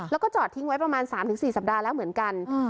แล้วก็จอดทิ้งไว้ประมาณสามถึงสี่สัปดาห์แล้วเหมือนกันอืม